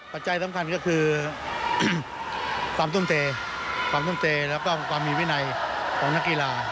กระใจสำคัญก็คือความทุนเตและก็ความมีวินัยของนักกีฬา